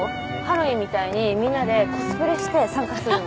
ハロウィーンみたいにみんなでコスプレして参加するの。